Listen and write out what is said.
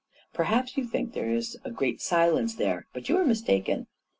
Perhaps you think there is a great silence there, but you are mistaken.